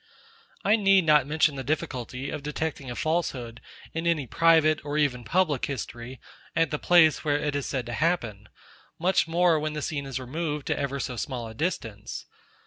I need not mention the difficulty of detecting a falsehood in any private or even public history, at the place, where it is said to happen; much more when the scene is removed to ever so small a distance.